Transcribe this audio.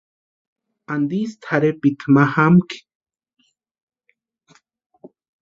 ¿Antisï tʼarhepiti ma jamakʼi?